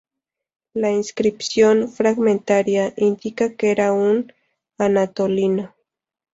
La inscripción, fragmentaria, indica que era un anatolio.